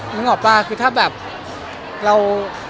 ไว้อยากอยู่กับเค้า